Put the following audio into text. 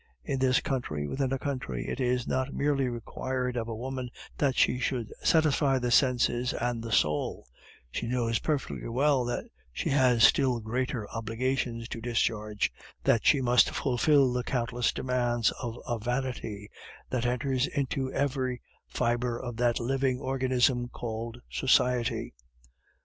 In this country within a country, it is not merely required of a woman that she should satisfy the senses and the soul; she knows perfectly well that she has still greater obligations to discharge, that she must fulfil the countless demands of a vanity that enters into every fibre of that living organism called society.